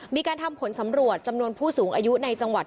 มีการทำผลสำรวจจำนวนผู้สูงอายุในจังหวัด